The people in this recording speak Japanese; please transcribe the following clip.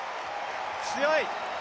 強い！